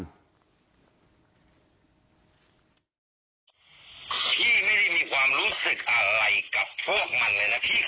พี่ไม่ได้มีความรู้สึกอะไรกับพวกมันเลยนะพี่